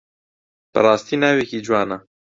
بەڕاستی ناوێکی جوانە.